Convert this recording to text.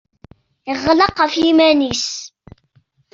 Yeɣleq ɣef yiman-nnes.